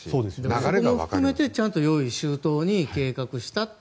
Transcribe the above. それも含めて用意周到に計画したと。